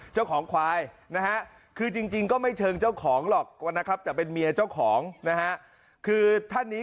จริงก็ไม่เชิงเจ้าของหรอกนะครับจะเป็นเมียเจ้าของนะฮะคือท่านนี้